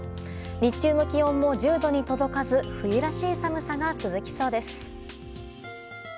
日中の気温も１０度に届かず冬らしい寒さが続きそうです。